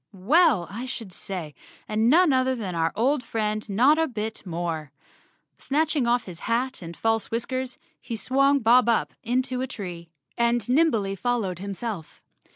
Well, I should say— and none other than our old friend Notta Bit More. Snatching off his hat and false whiskers, he swung Bob Up into a tree and 116 _ Chapter Nine nimbly followed himself.